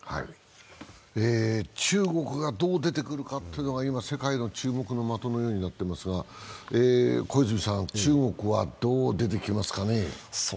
中国がどう出てくるかというのが今、世界の注目の的になっていますが中国はどう出てきますかね？